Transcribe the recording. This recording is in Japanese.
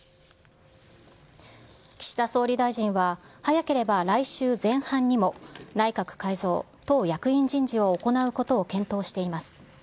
岸田総理大臣は、早ければ来週前半にも内閣改造・党役員人事を行うことを検討しています。